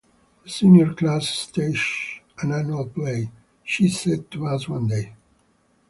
"The senior class stages an annual play," she said to us one day.